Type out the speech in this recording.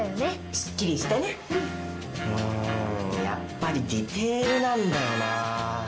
うんやっぱりディテールなんだよなぁ。